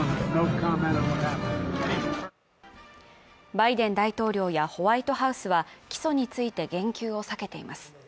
バイデン大統領やホワイトハウスは起訴について言及を避けています。